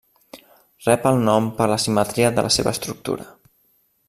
Rep el nom per la simetria de la seva estructura.